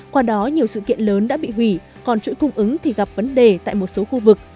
qua đó nhiều sự kiện lớn đã bị hủy còn chuỗi cung ứng thì gặp vấn đề tại một số khu vực